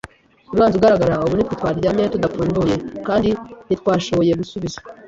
umwanzi ugaragara; ubu ni twe twaryamye tudapfunduye kandi ntitwashoboye gusubiza.